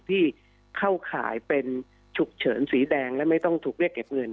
ที่เข้าข่ายเป็นฉุกเฉินสีแดงและไม่ต้องถูกเรียกเก็บเงิน